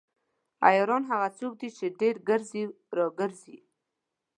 عیاران هغه څوک دي چې ډیر ګرځي راګرځي.